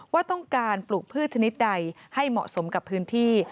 ว่าต้องการปลูกพืชชนิดใดให้เหมาะสมกับพื้นที่